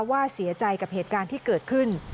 ว่าเสียใจกับเหตุการณ์ที่เกิดขึ้น